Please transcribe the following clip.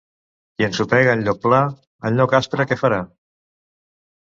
Qui ensopega en lloc pla, en lloc aspre, què farà?